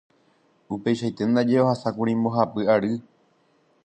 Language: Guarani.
Upeichaite ndaje ohasákuri mbohapy ary.